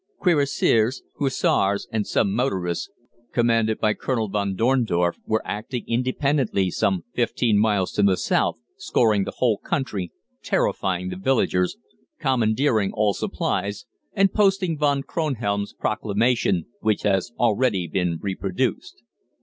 Cuirassiers, Hussars, and some motorists commanded by Colonel von Dorndorf were acting independently some fifteen miles to the south scouring the whole country, terrifying the villagers, commandeering all supplies, and posting Von Kronhelm's proclamation, which has already been reproduced.